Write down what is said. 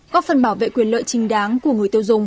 góp phần bảo vệ quyền lợi trinh đáng của người tiêu dùng